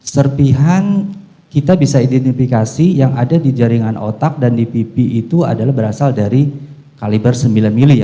serpihan kita bisa identifikasi yang ada di jaringan otak dan di pipi itu adalah berasal dari kaliber sembilan ml